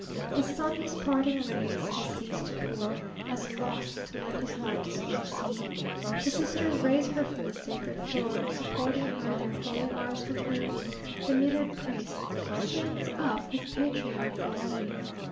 The sun his parting rays has ceased to pour, As loth to lend his light to such a scene.... The sisters raise her from the sacred floor, Supporting her their holy arms between; The mitred priest stands up with patriarchal mien.